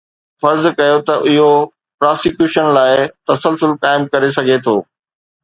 فرض ڪيو ته اهو پراسيڪيوشن لاء تسلسل قائم ڪري سگهي ٿو